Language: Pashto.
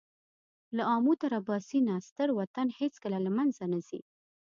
له آمو تر اباسینه ستر وطن هېڅکله له مېنځه نه ځي.